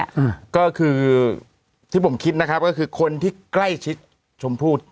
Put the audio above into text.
อ่าก็คือที่ผมคิดนะครับก็คือคนที่ใกล้ชิดชมพู่